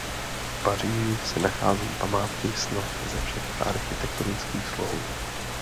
V Paříži se nacházejí památky snad ze všech architektonických slohů.